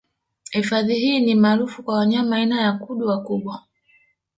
Hifadhi hii ni maarufu kwa wanyama aina ya kudu wakubwa